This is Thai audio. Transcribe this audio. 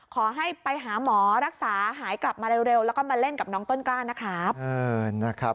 ขอให้ไปหาหมอรักษาหายกลับมาเร็วแล้วก็มาเล่นกับน้องต้นกล้านะครับ